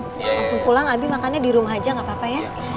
langsung pulang abi makannya di rumah aja gak apa apa ya